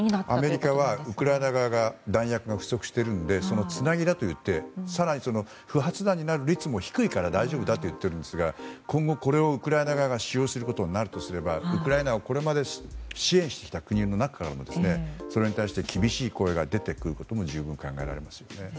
アメリカはウクライナ側が弾薬が不足しているのでそのつなぎだと言って更に、不発弾になる率も低いから大丈夫だと言っているんですが今後、これをウクライナ側が使用することになるとすればウクライナをこれまで支援してきた国の中からもそれに対して厳しい声が出てくることも十分、考えられます。